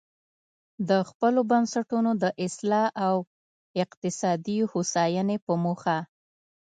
د خپلو بنسټونو د اصلاح او اقتصادي هوساینې په موخه.